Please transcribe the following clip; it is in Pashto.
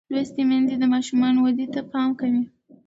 لوستې میندې د ماشوم ودې ته پام کوي.